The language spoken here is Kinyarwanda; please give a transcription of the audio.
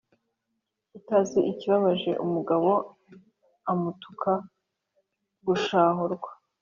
Utazi ikibabaje umugabo amutuka gushahurwa.